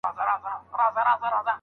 ایا هند ته صادرات لرو؟